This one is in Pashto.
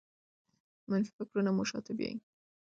منفي فکرونه مو شاته بیايي.